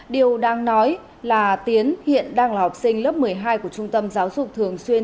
điều đang nói là tiến hiện đang là học sinh lớp một mươi hai của trung tâm giáo dục thường xuyên